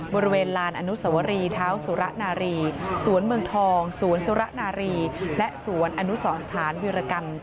บริเวณลานอนุสวรีเท้าสุระนารีสวนเมืองทองสวนสุระนารีและสวนอนุสรสถานวิรกรรม